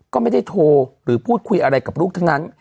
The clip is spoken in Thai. ก็ไม่ได้โทรหรือพูดคุยอะไรกับลูกทั้งนั้น